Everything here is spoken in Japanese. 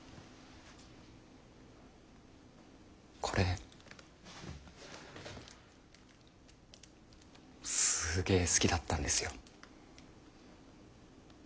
これすげえ好きだったんですよ。